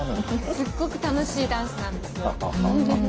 すっごく楽しいダンスなんですよ。